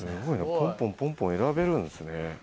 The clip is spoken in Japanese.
ポンポンポンポン選べるんですね。